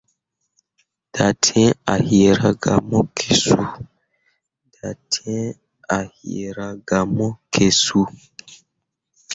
Dattǝǝre a yiira gah mo ke suu.